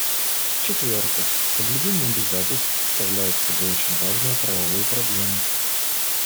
В-четвертых, соблюдение обязательств представляет собой очень важную правовую проблему.